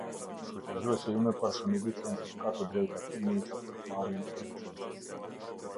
Shfrytëzuesi i mëparshëm i licencës ka të drejta të njëjta për marrjen e licencës.